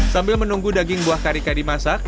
sambil menunggu daging buah karika dimasak